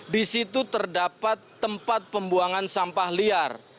di situ terdapat tempat pembuangan sampah liar